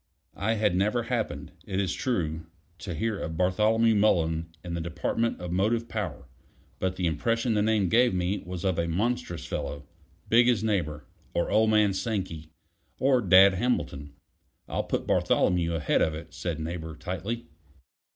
I had never happened, it is true, to hear of Bartholomew Mullen in the department of motive power; but the impression the name gave me was of a monstrous fellow, big as Neighbor, or old man Sankey, or Dad Hamilton. "I'll put Bartholomew ahead of it," said Neighbor tightly.